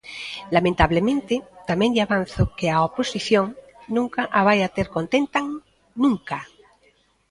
Lamentablemente, tamén lle avanzo que á oposición nunca a vai a ter contentan, ¡nunca!